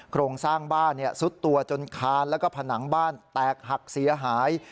โครงสร้างบ้านซุดตัวจนคานแล้วก็ผนังบ้านแตกหักเสียหาย